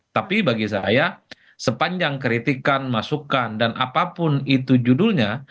tapi bagi saya sepanjang kritikan masukan dan apapun itu judulnya